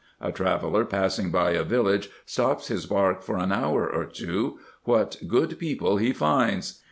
A traveller passing by a village stops his bark for an hour or two : what good people he finds